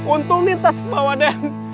untungin tas bawa den